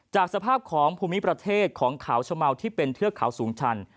จากสภาพของภูมิประเทศของเขาชะเมาที่เป็นเทือกเขาสูงชัน